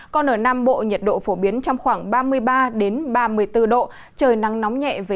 còn ở nam bộ nhiệt độ phổ biến trong khoảng ba mươi ba ba mươi bốn độ